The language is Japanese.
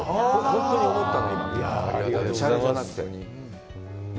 本当に思ったの。